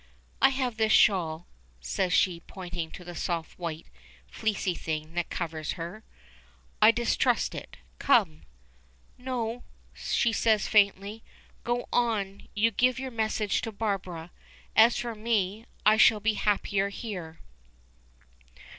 "I have this shawl," says she, pointing to the soft white, fleecy thing that covers her. "I distrust it. Come." "No," says she, faintly. "Go on; you give your message to Barbara. As for me, I shall be happier here."